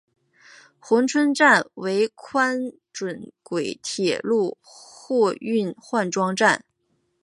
珲春站为宽准轨铁路货运换装站。